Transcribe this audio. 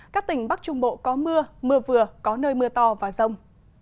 các tỉnh bắc trung bộ có mưa mưa vừa có nơi mưa to và rông